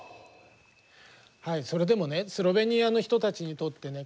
はいそれでもねスロベニアの人たちにとってね